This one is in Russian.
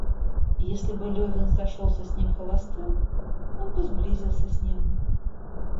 Если бы Левин сошелся с ним холостым, он бы сблизился с ним.